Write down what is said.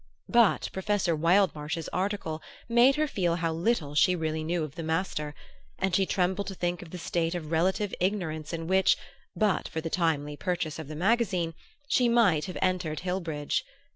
But Professor Wildmarsh's article made her feel how little she really knew of the master; and she trembled to think of the state of relative ignorance in which, but for the timely purchase of the magazine, she might have entered Hillbridge.